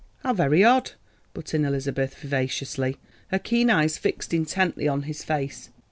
"How very odd," put in Elizabeth vivaciously, her keen eyes fixed intently on his face.